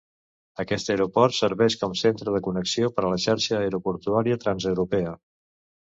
Aquest aeroport serveix com centre de connexió per a la xarxa aeroportuària transeuropea.